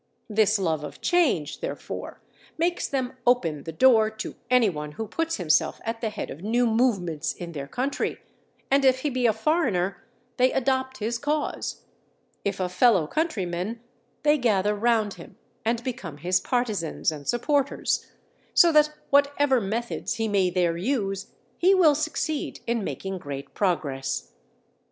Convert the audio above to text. This love of change, therefore, makes them open the door to any one who puts himself at the head of new movements in their country, and if he be a foreigner they adopt his cause, if a fellow countryman they gather round him and become his partisans and supporters; so that whatever methods he may there use, he will succeed in making great progress.